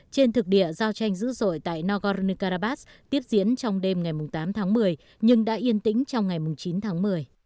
trên thực địa giao tranh dữ dội tại nagorno karabakh tiếp diễn trong đêm ngày tám tháng một mươi nhưng đã yên tĩnh trong ngày chín tháng một mươi